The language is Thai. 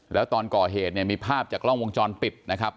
และตอนก่อเหตุมีภาพจากล้องวงจรปิดนะครับ